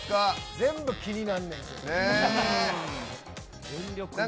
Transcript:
全部気になんねん。